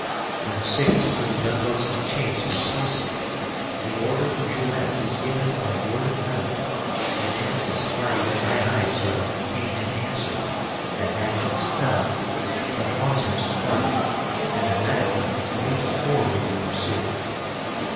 When the signal for the gunboats to chase was hoisted, the order to Jouett was given by word of mouth, and as his hearty "Aye, aye, sir," came in answer, the hatchets fell, the hawsers parted, and the Metacomet leaped forward in pursuit.